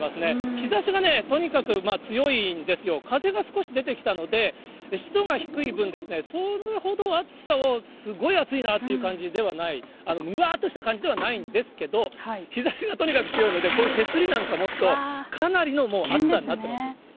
日ざしがね、とにかく強いんですよ、風が少し出てきたので、湿度が低い分、それほど暑さをすごい暑いなという感じではない、むわーっとした感じではないんですけど、日ざしがとにかく強いので、こういう手すりなんか持つと、かなりの熱さになってます。